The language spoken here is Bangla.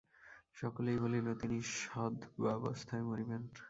সকলেই বলিল, তিনি সধবাবস্থায় মরিবেন।